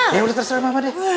gak boleh terserah mama deh